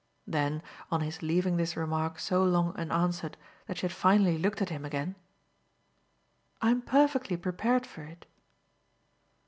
Then on his leaving this remark so long unanswered that she had finally looked at him again: "I'm perfectly prepared for it."